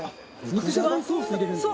肉じゃがにソース入れるんですか？